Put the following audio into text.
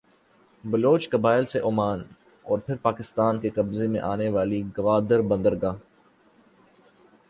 بلوچ قبائل سے عمان اور پھر پاکستان کے قبضے میں آنے والی گوادربندرگاہ